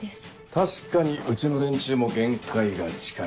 確かにうちの連中も限界が近い。